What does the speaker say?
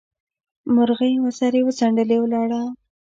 مرغۍ وزرې وڅنډلې؛ ولاړه.